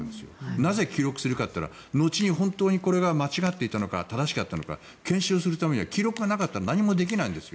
なぜ記録するかといったら後にこれが本当に正しかったのか間違っていたのか検証するためには記録がなかったら何もできないんですよ。